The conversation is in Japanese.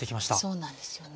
そうなんですよね。